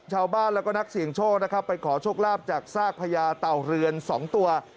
ชาวบ้านแล้วก็นักเสี่ยงโชคนะครับไปขอโชคลาภจากซากพญาเต่าเรือน๒ตัว